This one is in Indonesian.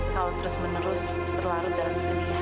kalau terus menerus berlarut dalam kesedihan